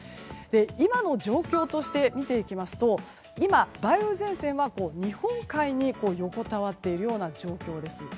今の状況として見ていきますと今、梅雨前線は日本海に横たわっている状況です。